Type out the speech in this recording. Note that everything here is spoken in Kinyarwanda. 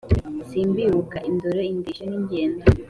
Simbibuka indoro indeshyo n'ingendo